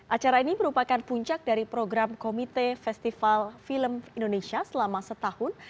acara ini merupakan puncak dari program komite festival film indonesia selama setahun